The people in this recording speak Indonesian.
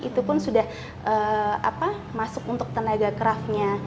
itu pun sudah masuk untuk tenaga craftnya